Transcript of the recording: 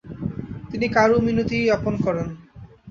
তিনি কারুমিনীতি আপন করেন।